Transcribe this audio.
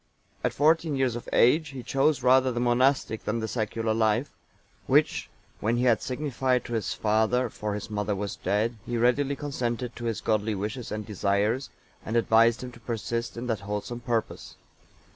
(893) At fourteen years of age he chose rather the monastic than the secular life; which, when he had signified to his father, for his mother was dead, he readily consented to his godly wishes and desires, and advised him to persist in that wholesome purpose.